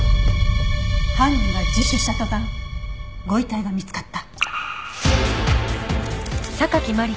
犯人が自首した途端ご遺体が見つかった？